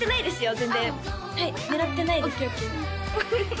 全然はい狙ってないですあっ